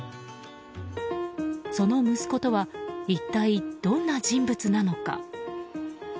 その息子とは、一体どんな人物なのか。